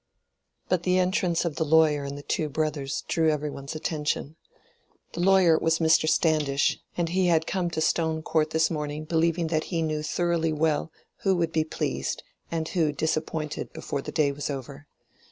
But the entrance of the lawyer and the two brothers drew every one's attention. The lawyer was Mr. Standish, and he had come to Stone Court this morning believing that he knew thoroughly well who would be pleased and who disappointed before the day was over.